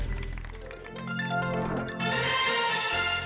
โปรดติดตามตอนต่อไป